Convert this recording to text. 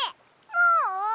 もう！？